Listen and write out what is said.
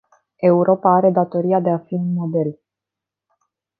Europa are datoria de a fi un model.